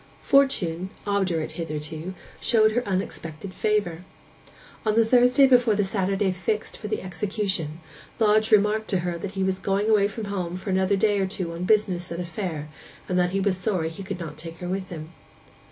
Fortune, obdurate hitherto, showed her unexpected favour. On the Thursday before the Saturday fixed for the execution, Lodge remarked to her that he was going away from home for another day or two on business at a fair, and that he was sorry he could not take her with him.